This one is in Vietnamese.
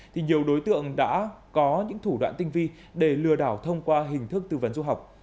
thì nhiều đối tượng đã có những thủ đoạn tinh vi để lừa đảo thông qua hình thức tư vấn du học